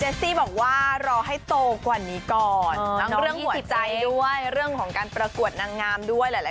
ซี่บอกว่ารอให้โตกว่านี้ก่อนเรื่องหัวใจด้วยเรื่องของการประกวดนางงามด้วยหลาย